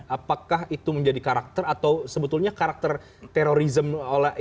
apakah itu menjadi karakter atau sebetulnya karakter terorisme